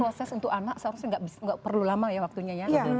proses untuk anak seharusnya nggak perlu lama ya waktunya ya